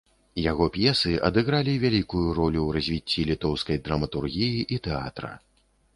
Яго п'есы адыгралі вялікую ролю ў развіцці літоўскай драматургіі і тэатра.